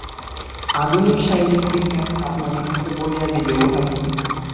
আধুনিক শারীরবিজ্ঞান আপনাদিগকে বলিয়া দিবে, উহা কি।